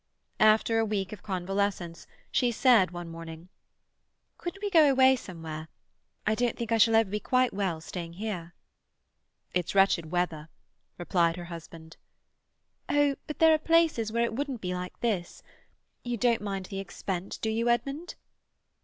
After a week of convalescence, she said one morning,— "Couldn't we go away somewhere? I don't think I shall ever be quite well staying here." "It's wretched weather," replied her husband. "Oh, but there are places where it wouldn't be like this. You don't mind the expense, do you, Edmund?"